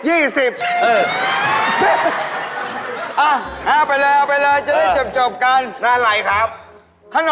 อีก๑๐